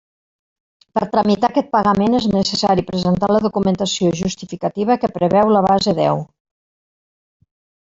Per tramitar aquest pagament, és necessari presentar la documentació justificativa que preveu la base deu.